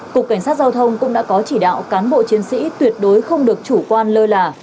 cục cảnh sát giao thông cũng đã có chỉ đạo cán bộ chiến sĩ tuyệt đối không được chủ quan lơ là